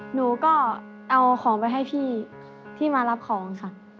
หนูก็เอาของไปให้พี่ที่มารับของค่ะ